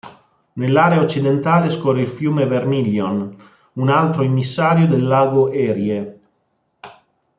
Nell'area occidentale scorre il fiume "Vermillion" un altro immissario del lago Erie.